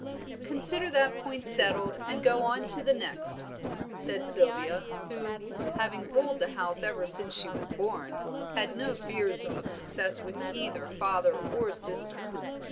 "Consider that point settled and go on to the next," said Sylvia, who, having ruled the house ever since she was born, had no fears of success with either father or sister.